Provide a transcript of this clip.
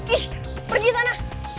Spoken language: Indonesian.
ih pergi sana